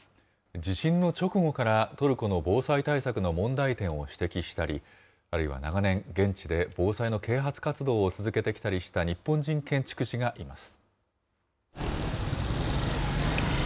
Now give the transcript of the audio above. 地震の直後からトルコの防災対策の問題点を指摘したり、あるいは長年、現地で防災の啓発活動を続けてきたりした日本人建築士がいます。